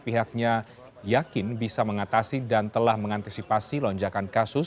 pihaknya yakin bisa mengatasi dan telah mengantisipasi lonjakan kasus